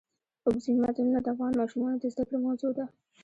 اوبزین معدنونه د افغان ماشومانو د زده کړې موضوع ده.